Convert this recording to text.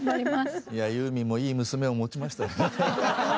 いやユーミンもいい娘を持ちましたね。